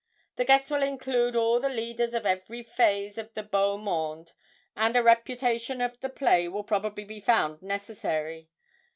The guests will include all the leaders of every phase of the beau monde, and a repetition of the play will probably be found necessary.